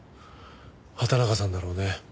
畑中さんだろうね。